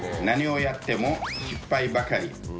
何をやっても失敗ばかり。